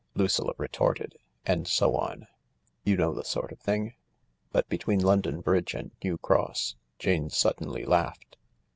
Lucilla retorted. And so on. You know the sort of thing ? But between London Bridge and New Cross, Jane suddenly laughed.